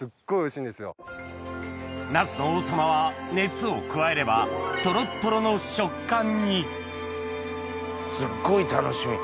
ナスの王様は熱を加えればトロットロの食感にすっごい楽しみ。